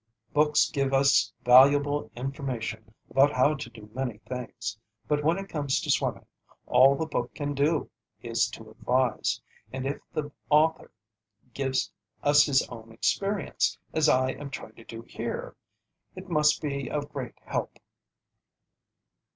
Books give us valuable information about how to do many things, but when it comes to swimming, all the book can do is to advise, and if the author gives us his own experience, as I am trying to do here, it must be of great help.